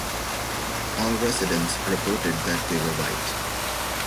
All residents reported that they were white.